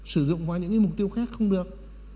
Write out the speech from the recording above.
sử dụng qua những cái mục tiêu khác không được